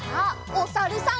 おさるさん。